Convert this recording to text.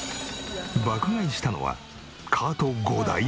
爆買いしたのはカート５台分。